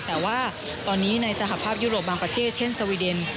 แต่ว่าตอนนี้ในสหภาพยุโรปบางประเทศเช่นสวีเดน